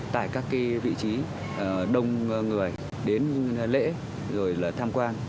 tại các cái vị trí đông người đến lễ rồi là tham quan